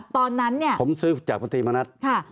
ตอนนั้นเนี่ยผมซื้อจากคุณตรีมณัฐ